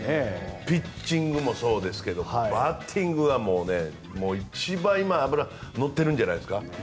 ピッチングもそうですけどもバッティングが一番今、脂が乗ってるんじゃないですか。